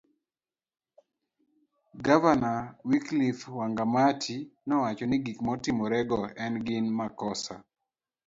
Gavana Wycliffe wangamati nowacho ni gik manotimrego ne gin makosa